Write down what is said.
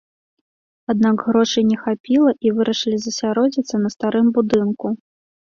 Аднак грошай не хапіла, і вырашылі засяродзіцца на старым будынку.